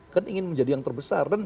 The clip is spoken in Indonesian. kan ingin menjadi yang terbesar